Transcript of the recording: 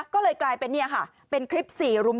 ก็เลยกลายเป็นนี่ค่ะเป็นคลิป๔รุ่ม๑